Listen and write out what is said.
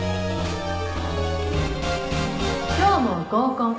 今日も合コン。